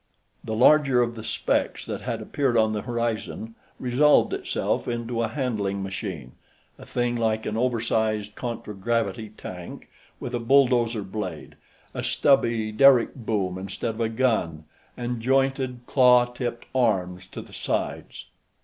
The larger of the specks that had appeared on the horizon resolved itself into a handling machine, a thing like an oversized contragravity tank, with a bulldozer blade, a stubby derrick boom instead of a gun, and jointed, claw tipped arms to the sides.